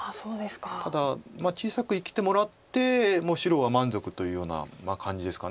ただ小さく生きてもらってもう白は満足というような感じですか。